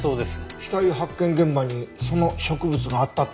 死体発見現場にその植物があったって事？